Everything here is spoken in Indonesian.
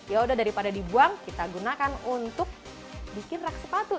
yaudah daripada dibuang kita gunakan untuk bikin rak sepatu